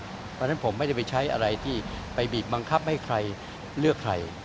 เพราะฉะนั้นผมไม่ได้ไปใช้อะไรที่ไปบีบบังคับให้ใครเลือกใคร